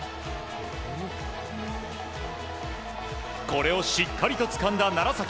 これをしっかりとつかんだ楢崎。